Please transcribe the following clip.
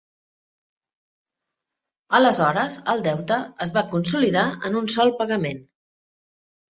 Aleshores, el deute es va "consolidar" en un sol pagament.